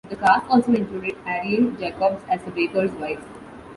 The cast also included Arielle Jacobs as The Bakers Wife.